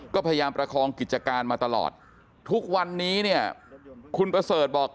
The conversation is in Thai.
ก็พยายามประคองกิจการมาตลอดทุกวันนี้เนี่ยคุณประเสริฐบอก